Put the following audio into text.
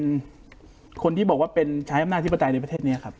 ถามคนที่บอกว่าเป็นชายอำนาจธิบดาลในประเทศนี้ครับ